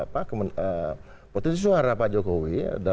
potensi suara pak jokowi